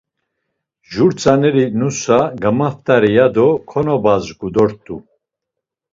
Jur tzaneri nusa gamaft̆are ya do konobazgu dort̆u.